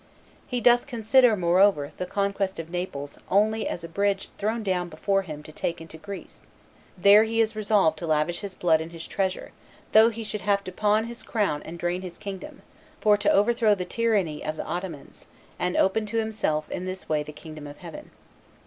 He doth consider, moreover, the conquest of Naples only as a bridge thrown down before him for to take him into Greece; there he is resolved to lavish his blood and his treasure, though he should have to pawn his crown and drain his kingdom, for to overthrow the tyranny of the Ottomans, and open to himself in this way the kingdom of Heaven."